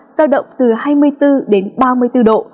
giao động từ hai mươi bốn đến ba mươi bốn độ